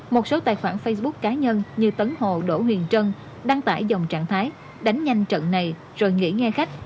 một số tài khoản facebook cá nhân như tấn hồ đỗ huyền trân đăng tải dòng trạng thái đánh nhanh trận này rồi nghĩ nghe khách